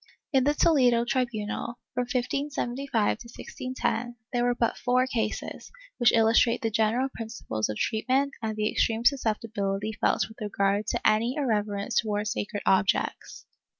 In the Toledo tri bunal, from 1575 to 1610, there were but four cases, which illus trate the general principles of treatment and the extreme suscepti bility felt with regard to any irreverence towards sacred objects.